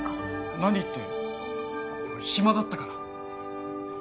何って暇だったから。